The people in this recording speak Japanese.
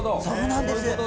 そうなんです。